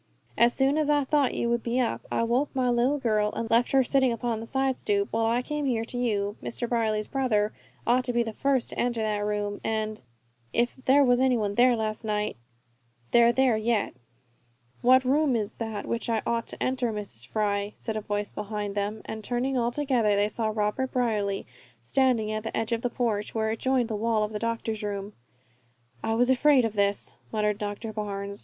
As soon as I thought you would be up I awoke my little girl, and left her sitting upon the side stoop, while I came here to you. Mr. Brierly's brother ought to be first to enter that room, and if there was anyone there last night they're there yet." "What room is that which I ought to enter, Mrs. Fry?" said a voice behind them, and turning, all together, they saw Robert Brierly standing at the edge of the porch where it joined the wall of the doctor's room. "I was afraid of this," muttered Doctor Barnes.